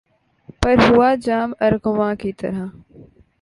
پر ہوا جام ارغواں کی طرح